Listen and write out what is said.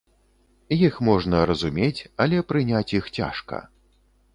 Іх можна разумець, але прыняць іх цяжка.